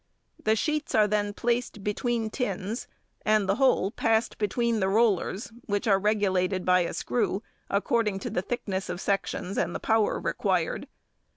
The sheets are then placed between tins, and the whole passed |11| between the rollers, which are regulated by a screw, according to the thickness of sections and power required.